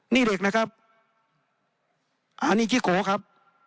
นี่เด็กนะครับอันนี้ขี้โกครับ